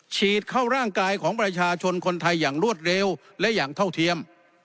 ฉีดเข้าร่างกายของประชาชนคนไทยอย่างรวดเร็วและอย่างเท่าเทียม